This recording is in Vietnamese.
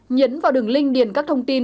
nhấn vào đường link điền các thông tin